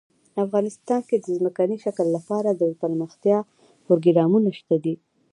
افغانستان کې د ځمکني شکل لپاره پوره دپرمختیا پروګرامونه شته دي.